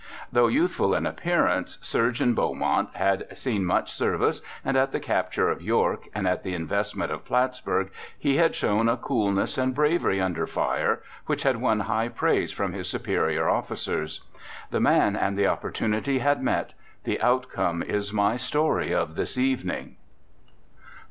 Though youthful in appearance, Surgeon Beaumont had seen much service, and at the capture of York and at the investment of Pittsburgh he had shown a coolness and bravery under fire which had won high praise from his superior officers. The man and the opportunity had met— the outcome is my story of this evening.